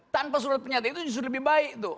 tanpa surat pernyataan itu justru lebih baik tuh